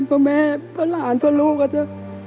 เพราะแม่เพราะหลานเพราะลูกอะจ๊ะ